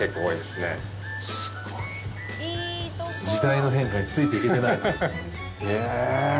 すごい。時代の変化についていけてないなぁ。